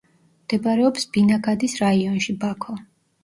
მდებარეობს ბინაგადის რაიონში, ბაქო.